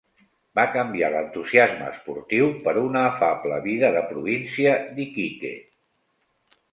Va canviar l'entusiasme esportiu per una afable vida de província d'Iquique.